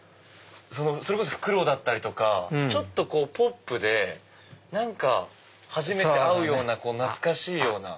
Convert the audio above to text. それこそフクロウだったりとかちょっとポップで何か初めて会うような懐かしいような。